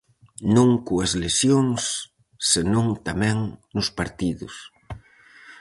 Non coas lesións, se non tamén nos partidos.